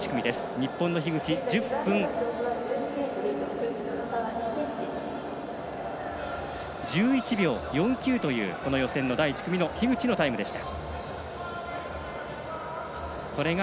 日本の樋口１０分１１秒４９という予選の第１組の樋口のタイムでした。